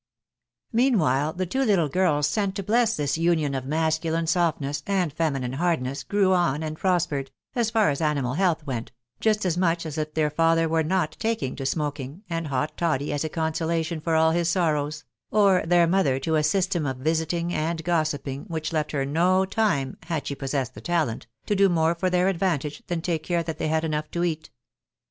Meanwhile the two little girls sent to bless this union of masculine softness and feminine hardness grew on and pros pered, as far as animal health went, just as much as if their father were not taking to smoking and hot toddy as a con solation for all his sorrows, or their mother to a system of visiting and gossiping, which left her no time, had she pos sessed the talent, to do more for their advantage than take care that they had enough to eat.